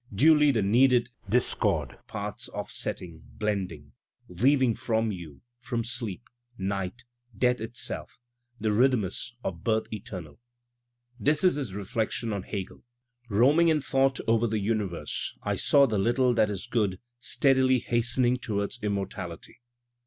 Duly the needed disoord parts offsetting, blending. Weaving from you, from Sleep, Night, Death itself. The rhythmus of Birth Eternal. This is his reflection on Hegel: Roaming in thought over the Universe, I saw the little that is Good steadily hastening towards immortality.